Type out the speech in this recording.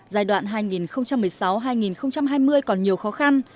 giai đoạn hai nghìn một mươi sáu hai nghìn hai mươi còn nhiều khó khăn